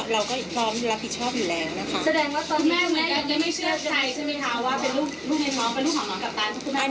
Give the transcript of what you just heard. เราก็รับผิดชอบอยู่แล้วนะคะ